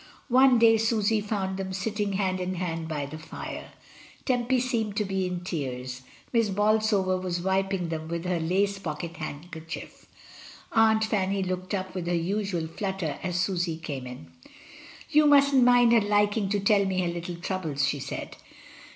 One day Susy found them sitting hand in hand by the fire. Tempy seemed to be in tears, Miss Bolsover was wiping them with her lace pocket handkerchief. Aunt Fanny looked up with her usual flutter as Susy came in. "You mus'n't mind her liking to tell me her little troubles," she said.